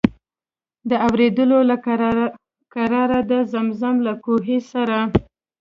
د اورېدلو له قراره د زمزم له کوهي سره.